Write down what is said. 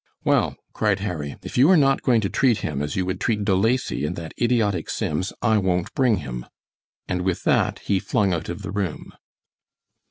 "Well," cried Harry, "if you are not going to treat him as you would treat De Lacy and that idiotic Sims, I won't bring him!" And with that he flung out of the room.